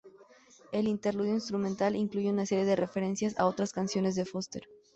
El interludio instrumental incluye una serie de referencias a otras canciones de Foster.